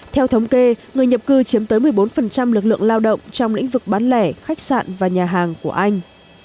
theo thống kê người nhập cư chiếm tới một mươi bốn lực lượng lao động trong lĩnh vực bán lẻ khách sạn và nhà hàng của anh